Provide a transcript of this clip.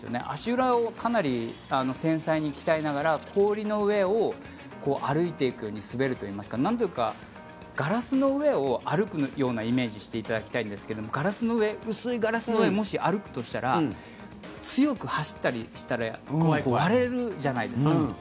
足裏をかなり繊細に鍛えながら氷の上を歩いていくように滑るといいますかガラスの上を歩くようなイメージをしていただきたいんですが薄いガラスの上もし歩くとしたら強く走ったりしたら割れるじゃないですか。